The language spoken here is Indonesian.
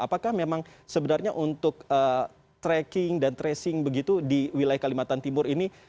apakah memang sebenarnya untuk tracking dan tracing begitu di wilayah kalimantan timur ini